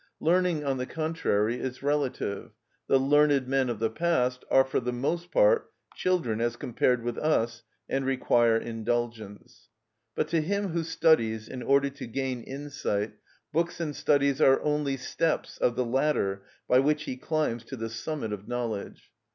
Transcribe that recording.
Learning, on the contrary, is relative; the learned men of the past are for the most part children as compared with us, and require indulgence. But to him who studies in order to gain insight books and studies are only steps of the ladder by which he climbs to the summit of knowledge.